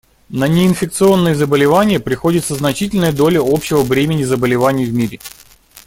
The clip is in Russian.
На неинфекционные заболевания приходится значительная доля общего бремени заболеваний в мире.